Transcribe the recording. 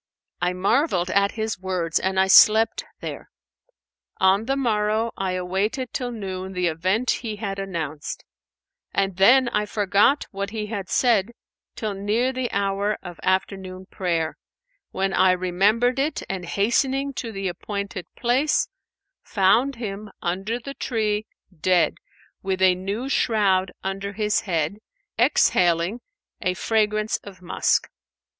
I marvelled at his words, and I slept there. On the morrow I awaited till noon the event he had announced, and then I forgot what he had said till near the hour of afternoon prayer, when I remembered it and hastening to the appointed place, found him under the tree, dead, with a new shroud under his head, exhaling a fragrance of musk.